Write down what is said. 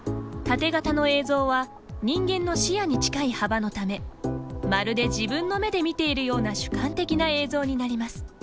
タテ型の映像は人間の視野に近い幅のためまるで自分の目で見ているような主観的な映像になります。